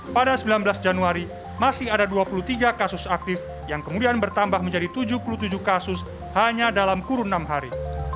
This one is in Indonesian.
pada sembilan belas januari masih ada dua puluh tiga kasus aktif yang kemudian bertambah menjadi tujuh puluh tujuh kasus hanya dalam kurun enam hari